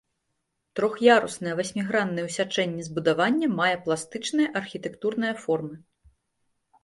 Трох'яруснае васьміграннае ў сячэнні збудаванне мае пластычныя архітэктурныя формы.